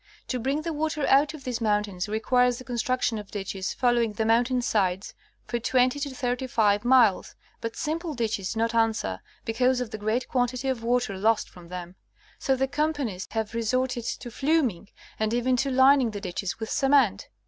To bring the water out of these mountains requires the construction of ditches following the mountain sides for 20 to 35 miles. But simple ditches do not answer, because of the great quantity of water lost from them. So the companies have resorted to fluming,^ and even to lining the ditches with cement.